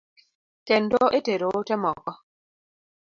Kendo e tero ote moko.